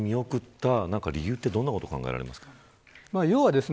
殺人の方針を見送った理由はどんなことが考えられますか。